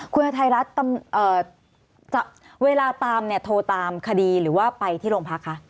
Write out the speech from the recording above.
คุณอธัยรัตน์เวลาตามโทรตามคดีหรือว่าไปที่โรงพักษณ์คะ